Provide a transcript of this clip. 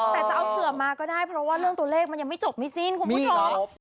แต่จะเอาเสือมาก็ได้เพราะว่าเรื่องตัวเลขมันยังไม่จบไม่สิ้นคุณผู้ชม